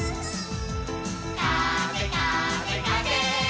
「かぜかぜかぜ」